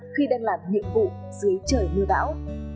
khi đang làm nhiệm vụ dưới trời mưa bão